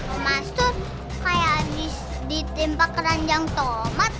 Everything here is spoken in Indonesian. pak master kayak habis ditimpa keranjang tomat